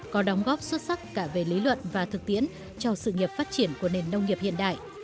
có đóng góp xuất sắc cả về lý luận và thực tiễn cho sự nghiệp phát triển của nền nông nghiệp hiện đại